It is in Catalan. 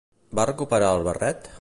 Va recuperar el barret?